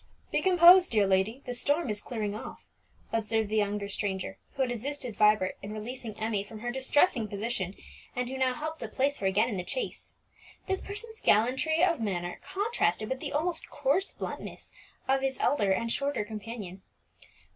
"Be composed, dear lady; the storm is clearing off," observed the younger stranger, who had assisted Vibert in releasing Emmie from her distressing position, and who now helped to place her again in the chaise. This person's gallantry of manner contrasted with the almost coarse bluntness of his elder and shorter companion.